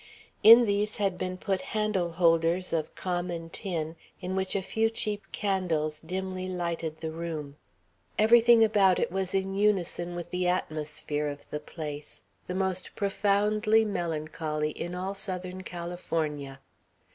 In these had been put handle holders of common tin, in which a few cheap candles dimly lighted the room. Everything about it was in unison with the atmosphere of the place, the most profoundly melancholy in all Southern California.